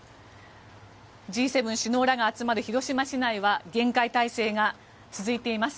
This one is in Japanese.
Ｇ７首脳らが集まる広島市内は厳戒態勢が続いています。